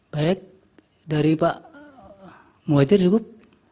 baik dari pak muhajir cukup